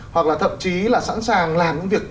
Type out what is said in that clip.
hoặc là thậm chí là sẵn sàng làm những việc